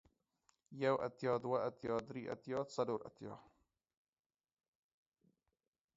يو اتيا ، دوه اتيا ، دري اتيا ، څلور اتيا ،